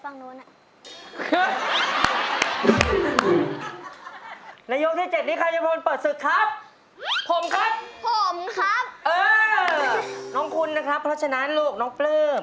น้องคุณนะครับเพราะฉะนั้นลูกน้องปลื้ม